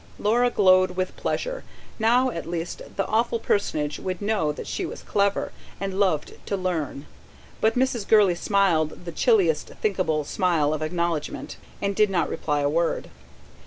Laura glowed with pleasure. Now at least the awful personage would know that she was clever, and loved to learn. But Mrs. Gurley smiled the chilliest thinkable smile of acknowledgment, and did not reply a word.